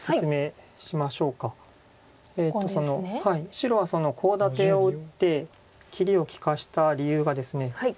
白はコウ立てを打って切りを利かした理由がですね。